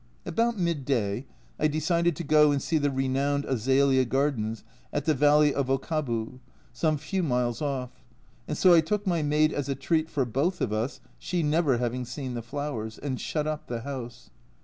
About midday I decided to go and see the renowned Azalea gardens at the village of Okabu, some few miles off, and so I took my maid as a treat for both of us (she never having seen the flowers), and shut up the house.